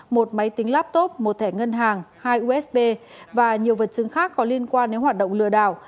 một máy tính laptop một thẻ ngân hàng hai usb và nhiều vật chứng khác có liên quan đến hoạt động lừa đảo